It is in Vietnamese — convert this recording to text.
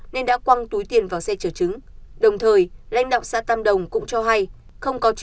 nên đã quăng túi tiền vào xe chở trứng